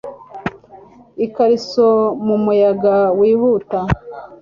ikariso mumuyaga wihuta